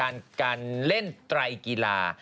มันก็คือการเล่นไตร่กีฬา